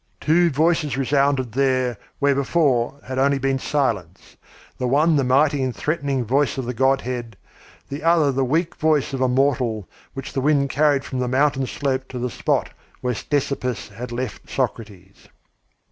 Two voices resounded there where before had been silence, the one the mighty and threatening voice of the Godhead, the other the weak voice of a mortal which the wind carried from the mountain slope to the spot where Ctesippus had left Socrates.